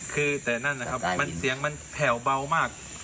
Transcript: คือแต่นั่นนะครับเสียงมันแผ่วเบามาก